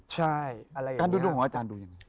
ใช่การดูดวงของอาจารย์ดูยังไง